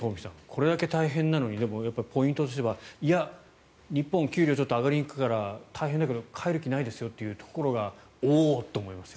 これだけ大変なのにでも、ポイントとしてはいや、日本は給料が上がりにくいから大変だけど帰る気ないところがおお！と思います。